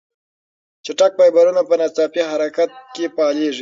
چټک فایبرونه په ناڅاپي حرکت کې فعالېږي.